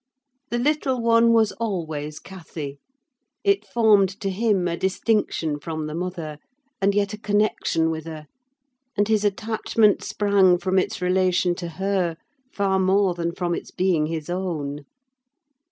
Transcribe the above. The little one was always Cathy: it formed to him a distinction from the mother, and yet a connection with her; and his attachment sprang from its relation to her, far more than from its being his own.